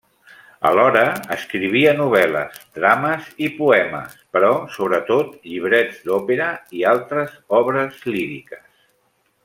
Alhora escrivia novel·les, drames i poemes, però sobretot llibrets d'òpera i altres obres líriques.